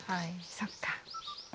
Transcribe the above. そっか。